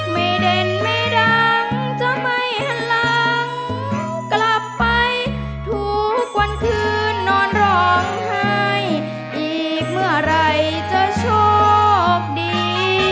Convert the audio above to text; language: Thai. เด่นไม่ดังจะไม่หันหลังกลับไปทุกวันคืนนอนร้องไห้อีกเมื่อไหร่จะโชคดี